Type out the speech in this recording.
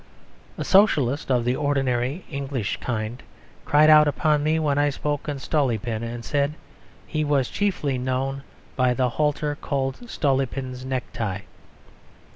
A Socialist of the ordinary English kind cried out upon me when I spoke of Stolypin, and said he was chiefly known by the halter called "Stolypin's Necktie."